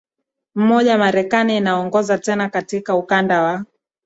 i mmoja marekani inaongoza tena katika ukanda wa